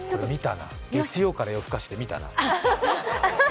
「月曜から夜更かし」で見たな。